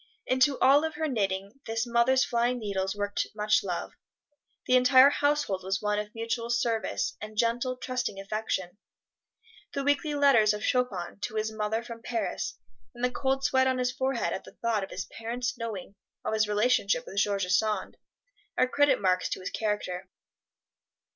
Into all of her knitting this mother's flying needles worked much love. The entire household was one of mutual service, and gentle, trusting affection. The weekly letters of Chopin to his mother from Paris, and the cold sweat on his forehead at the thought of his parents knowing of his relationship with George Sand, are credit marks to his character.